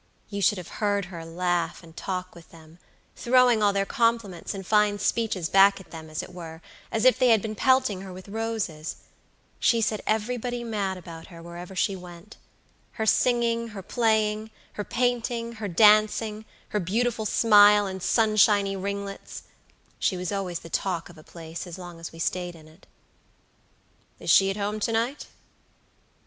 You should have heard her laugh and talk with them; throwing all their compliments and fine speeches back at them, as it were, as if they had been pelting her with roses. She set everybody mad about her, wherever she went. Her singing, her playing, her painting, her dancing, her beautiful smile, and sunshiny ringlets! She was always the talk of a place, as long as we stayed in it." "Is she at home to night?"